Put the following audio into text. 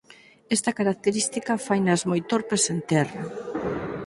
Esta característica fainas moi torpes en terra.